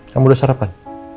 kamu udah sarapan